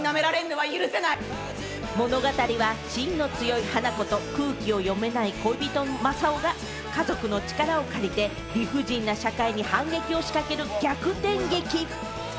物語は芯が強い花子と空気を読めない正夫が家族の力を借りて、理不尽な社会に反撃を仕掛ける逆転劇。